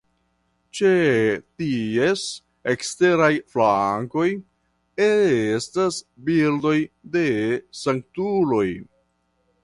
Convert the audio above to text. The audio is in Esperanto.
Ĉe ties eksteraj flankoj estas bildoj de sanktuloj.